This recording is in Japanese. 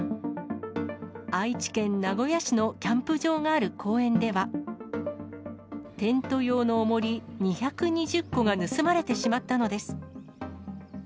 愛知県名古屋市のキャンプ場がある公園では、テント用のおもり２２０個が盗まれてしまったのです。